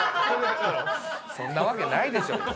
そんなわけないでしょうよ。